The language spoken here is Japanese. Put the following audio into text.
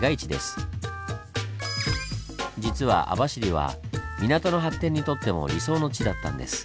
実は網走は港の発展にとっても「理想の地」だったんです。